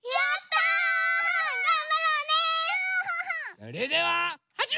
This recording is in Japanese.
それでははじめ！